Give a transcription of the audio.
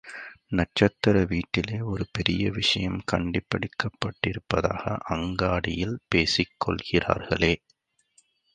நட்சத்திர வீட்டிலே ஒரு பெரிய விஷயம் கண்டுபிடிக்கப்பட்டிருப்பதாக அங்காடியில் பேசிக்கொள்கிறார்களே!